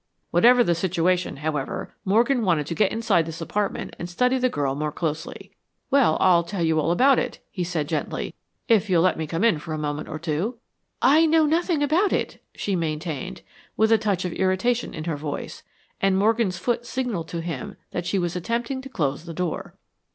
Whatever the situation, however, Morgan wanted to get inside this apartment and study the girl more closely. "Well, I'll tell you all about it," he said, gently, "if you'll let me come in for a moment or two." "I know nothing about it," she maintained, with a touch of irritation in her voice, and Morgan's foot signaled to him that she was attempting to close the door.